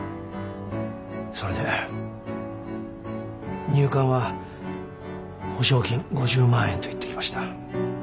それで入管は保証金５０万円と言ってきました。